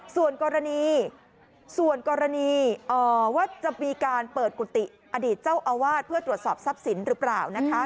ส่วนกรณีส่วนกรณีว่าจะมีการเปิดกุฏิอดีตเจ้าอาวาสเพื่อตรวจสอบทรัพย์สินหรือเปล่านะคะ